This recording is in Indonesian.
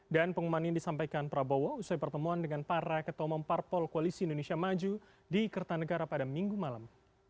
dan pengumuman ini disampaikan prabowo setelah pertemuan dengan para ketua memparpol koalisi indonesia maju di kertanegara pada minggu malam